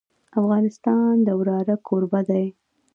افغانستان د واوره کوربه دی.